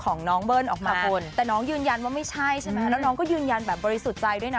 ของน้องเบิ้ลออกมาคุณแต่น้องยืนยันว่าไม่ใช่ใช่ไหมแล้วน้องก็ยืนยันแบบบริสุทธิ์ใจด้วยนะ